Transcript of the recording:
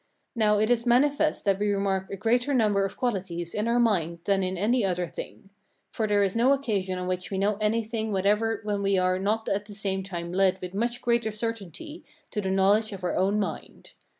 Now, it is manifest that we remark a greater number of qualities in our mind than in any other thing; for there is no occasion on which we know anything whatever when we are not at the same time led with much greater certainty to the knowledge of our own mind.